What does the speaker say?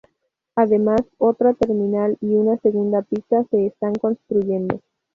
Además, otra terminal y una segunda pista se están construyendo.